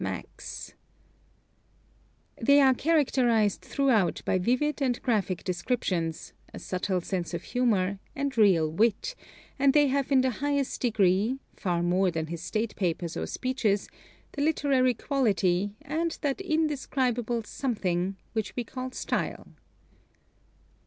Maxse.) They are characterized throughout by vivid and graphic descriptions, a subtle sense of humor, and real wit; and they have in the highest degree far more than his State papers or speeches the literary quality, and that indescribable something which we call style.